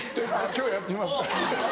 今日やってみます。